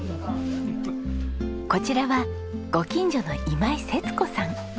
こちらはご近所の今井節子さん。